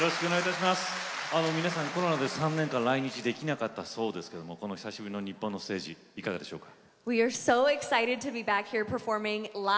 皆さん、コロナで３年間来日できなかったそうですけども久しぶりの日本のステージいかがでしょうか。